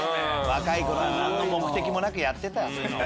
若い頃は何の目的もなくやってたわそういうの。